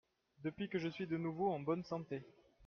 Depuis que je suis de nouveau en bonne santé.